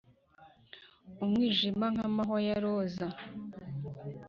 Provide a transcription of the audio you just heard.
umwijima nk'amahwa ya roza.